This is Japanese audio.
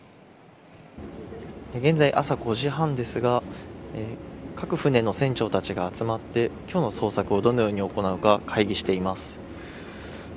現在、朝５時半ですが各船の船長たちが集まって今日の捜索をどのように行うか会議しています。